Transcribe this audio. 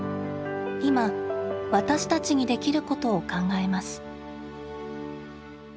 いま私たちにできることを考えます。